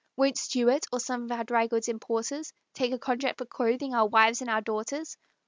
Won't Stewart, or some of our dry goods importers, Take a contract for clothing our wives and our daughters?